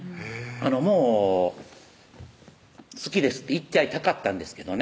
もう「好きです」って言っちゃいたかったんですけどね